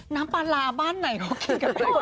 น้ำปลาลาบ้านไหนเขากินกันเป็นขวด